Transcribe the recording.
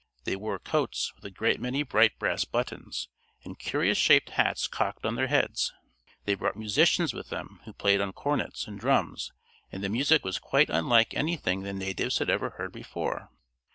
They wore coats with a great many bright brass buttons, and curious shaped hats cocked on their heads. They brought musicians with them who played on cornets and drums, and the music was quite unlike anything the natives had ever heard before.